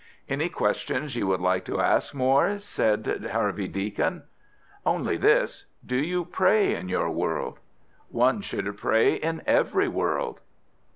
"Any questions you would like to ask, Moir?" said Harvey Deacon. "Only this—do you pray in your world?" "One should pray in every world."